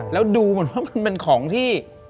แล้วดูเหมือนว่ามันเป็นของที่